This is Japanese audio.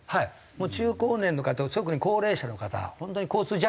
もう中高年の方を特に高齢者の方本当に交通弱者ですから。